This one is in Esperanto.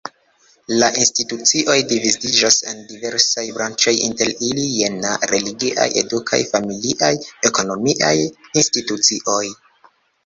La institucioj dividiĝas en diversaj branĉoj inter ili jena: religiaj, edukaj, familiaj, ekonomiaj institucioj.